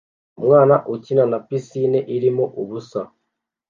Umwana ukina na pisine irimo ubusa